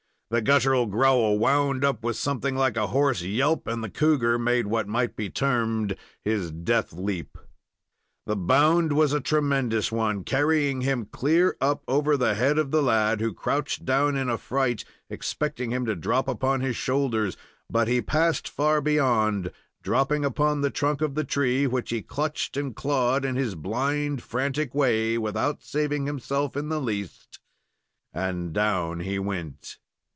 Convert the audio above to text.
The guttural growl wound up with something like a hoarse yelp, and the cougar made what might be termed his death leap. The bound was a tremendous one, carrying him clear up over the head of the lad, who crouched down in affright, expecting him to drop upon his shoulders; but he passed far beyond, dropping upon the trunk of the tree, which he clutched and clawed in his blind, frantic way, without saving himself in the least, and down he went.